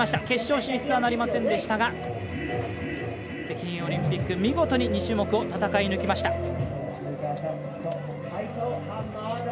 決勝進出はなりませんでしたが北京オリンピック見事に２種目を戦い抜きました。